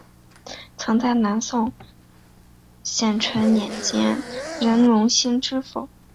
曾在南宋咸淳年间任隆兴知府。